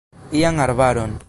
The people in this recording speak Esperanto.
Ian arbaron.